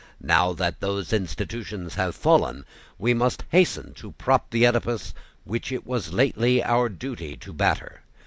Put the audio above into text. Now that those institutions have fallen, we must hasten to prop the edifice which it was lately our duty to batter.